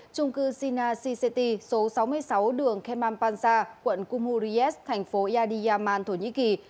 trung cư sina cct số sáu mươi sáu đường kemalpansa quận kumhuriyas thành phố yadiyaman thổ nhĩ kỳ